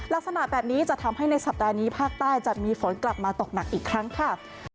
ลักษณะแบบนี้จะทำให้ในสัปดาห์นี้ภาคใต้จะมีฝนกลับมาตกหนักอีกครั้งค่ะ